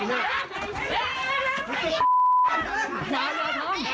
ไม่ใช่เลย